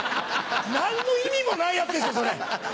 何の意味もないやつですよそれ。